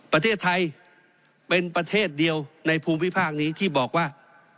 ประเทศไทยเป็นประเทศเดียวในภูมิภาคนี้ที่บอกว่า